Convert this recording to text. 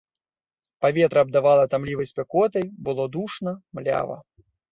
Паветра абдавала тамлівай спякотай, было душна, млява.